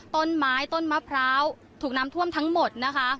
ต้นไม้ต้นมะพร้าวถูกน้ำท่วมทั้งหมดนะคะ